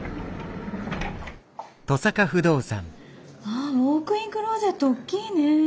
あウォークインクローゼット大きいね。